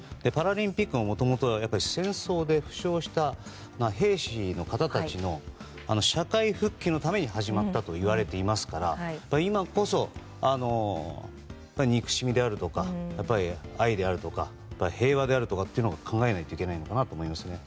パラリンピックももともとは戦争で負傷した兵士の方たちの社会復帰のために始まったといわれていますから今こそ、憎しみであるとか愛であるとか平和であるとかを考えないといけないかなと思います。